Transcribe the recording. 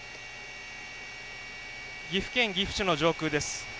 岐阜県岐阜市の上空です。